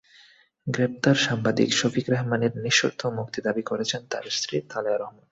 গ্রেপ্তার সাংবাদিক শফিক রেহমানের নিঃশর্ত মুক্তি দাবি করেছেন তাঁর স্ত্রী তালেয়া রেহমান।